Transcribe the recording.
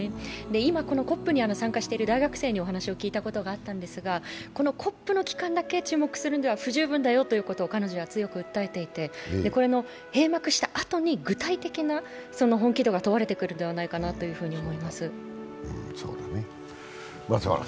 今、このＣＯＰに参加している大学生に話を聞いたことがあるんですがＣＯＰの期間だけ注目するだけでは不十分だよと彼女は強く訴えていて、閉幕したあとに具体的な本気度が問われてくるんじゃないかと思います。